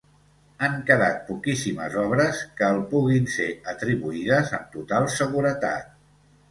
Han quedat poquíssimes obres que el puguin ser atribuïdes amb total seguretat.